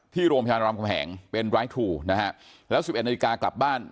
ที่โรงพยาบาลรัมย์คมแห่งเป็นนะฮะแล้วสิบเอ็ดนาฬิกากลับบ้าน